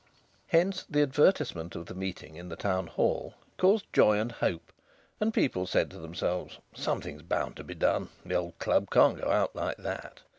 Hence the advertisement of the meeting in the Town Hall caused joy and hope, and people said to themselves: "Something's bound to be done; the old club can't go out like that."